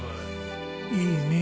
いいねえ。